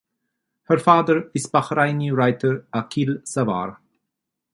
Her father is the Bahraini writer Aqil Sawar.